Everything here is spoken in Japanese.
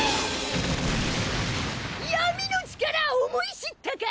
闇の力思い知ったか！